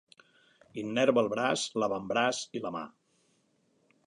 Innerva el braç, l'avantbraç i la mà.